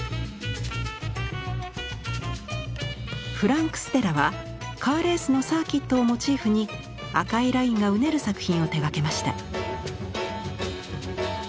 フランク・ステラはカーレースのサーキットをモチーフに赤いラインがうねる作品を手がけました。